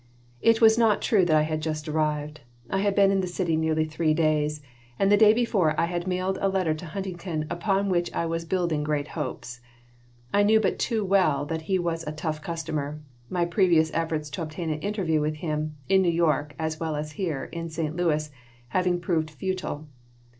It was not true that I had just arrived. I had been in the city nearly three days, and the day before I had mailed a letter to Huntington upon which I was building great hopes. I knew but too well that he was a "tough customer," my previous efforts to obtain an interview with him in New York as well as here, in St. Louis having proven futile.